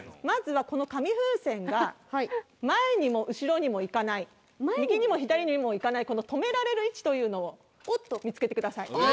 まずはこの紙風船が前にも後ろにも行かない右にも左にも行かないこの止められる位置というのを見つけてください。